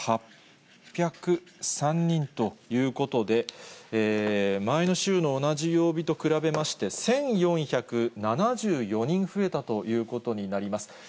３８０３人ということで、前の週の同じ曜日と比べまして、１４７４人増えたということになります。